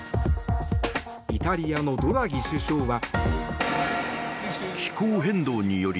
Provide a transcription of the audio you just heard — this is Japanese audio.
イタリアのドラギ首相は。